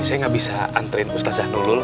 saya gak bisa antriin ustazah nulul